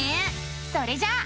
それじゃあ。